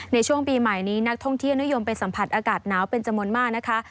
ในช่วงปีใหม่นี้นักท่องเที่ยวนิยมไปสัมผัสอากาศหนาวเป็นจำนวนมากนะคะ